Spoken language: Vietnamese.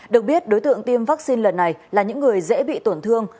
được biết đối tượng tiêm vaccine lần này là những người dễ bị tổn thương